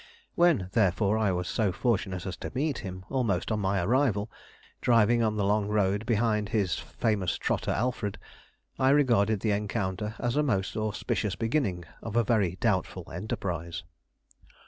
When, therefore, I was so fortunate as to meet him, almost on my arrival, driving on the long road behind his famous trotter Alfred, I regarded the encounter as a most auspicious beginning of a very doubtful enterprise.